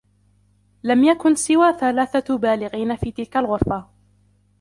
لم يكن سوى ثلاثة بالغين في تلك الغرفة.